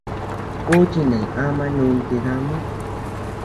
Ú chineñ ama nunti dami.